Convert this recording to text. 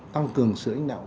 tăng cường sự lãnh đạo